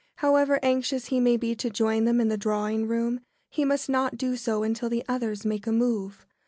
However anxious he may be to join them in the drawing room, he must not do so until the others make a move.